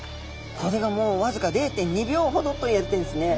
これがもうわずか０．２秒ほどといわれてるんですね。